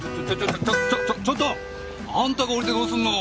ちょちょちょちょっと！あんたが下りてどうすんの。